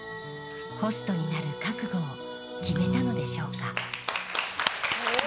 ホストになる覚悟を決めたのでしょうか？